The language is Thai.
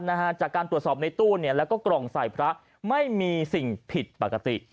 จากการตรวจสอบในตู้เนี่ยแล้วก็กล่องใส่พระไม่มีสิ่งผิดปกติ